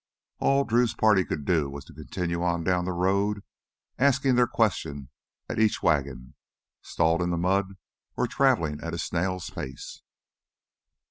All Drew's party could do was to continue on down the road, asking their question at each wagon, stalled in the mud or traveling at a snail's pace.